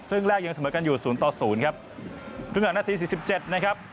ครึ่งแรกยังเสมอกันอยู่สูงต่อสูงครับขึ้นหลังนาทีสี่สิบเจ็ดนะครับ